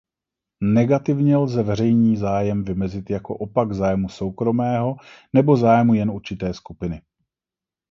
Negativně lze veřejný zájem vymezit jako opak zájmu soukromého nebo zájmu jen určité skupiny.